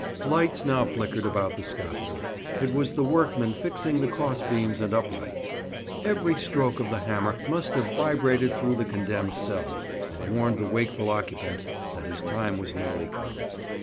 Lights now flickered about the scaffold; it was the workmen fixing the crossbeams and uprights. Every stroke of the hammer must have vibrated through the condemned cells, and warned the wakeful occupant that his time was nearly come.